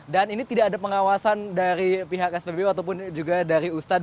dan ini tidak ada pengawasan dari pihak spbu ataupun juga dari ustadz